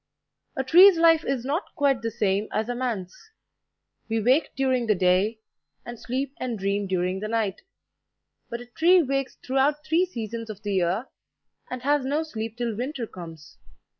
A tree's life is not quite the same as a man's: we wake during the day, and sleep and dream during the night; but a tree wakes throughout three seasons of the year, and has no sleep till winter comes.